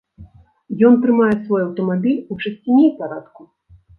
Ён трымае свой аўтамабіль у чысціні і парадку.